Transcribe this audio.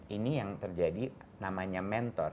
ini yang terjadi namanya mentor